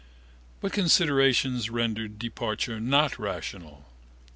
What considerations rendered departure not irrational?